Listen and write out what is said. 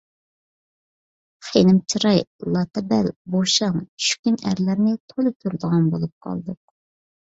خېنىم چىراي، لاتا بەل، بوشاڭ، چۈشكۈن ئەرلەرنى تولا كۆرىدىغان بولۇپ قالدۇق.